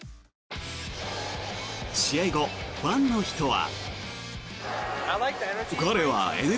試合後、ファンの人は。